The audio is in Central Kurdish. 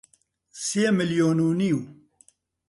سێ ملیۆن و نیو